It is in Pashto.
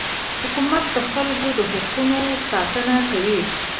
حکومت د خلکو د حقونو ساتنه کوي.